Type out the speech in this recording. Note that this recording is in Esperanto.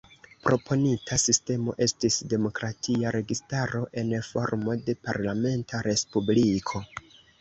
Proponita sistemo estis demokratia registaro en formo de parlamenta respubliko.